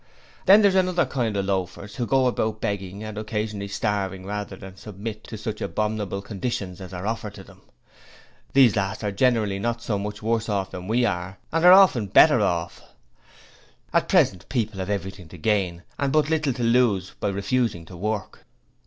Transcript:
Then there is another kind of loafers who go about begging and occasionally starving rather than submit to such abominable conditions as are offered to them. These last are generally not much worse off than we are and they are often better off. At present, people have everything to gain and but little to lose by refusing to work.